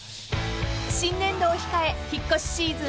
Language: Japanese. ［新年度を控え引っ越しシーズン